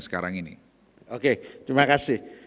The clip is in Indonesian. sekarang ini oke terima kasih